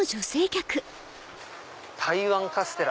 台湾カステラ。